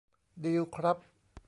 ดีลครับ